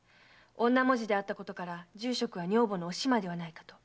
女文字であったことから住職は女房のお島ではないかと。